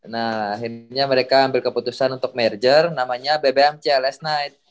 nah akhirnya mereka ambil keputusan untuk merger namanya bbmc last night